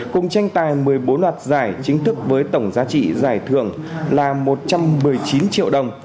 cùng tranh tài một mươi bốn loạt giải chính thức với tổng giá trị giải thưởng là một trăm một mươi chín triệu đồng